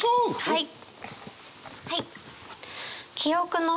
はい。